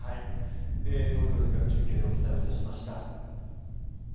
増上寺から中継でお伝えしました。